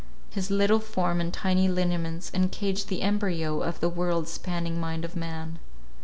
His little form and tiny lineaments encaged the embryo of the world spanning mind of man.